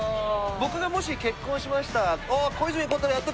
僕がもし結婚しました。